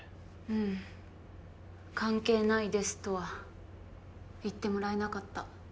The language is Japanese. うん関係ないですとは言ってもらえなかった。